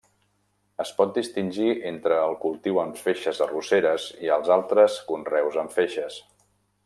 Es pot distingir entre el cultiu en feixes arrosseres i els altres conreus en feixes.